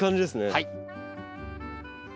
はい！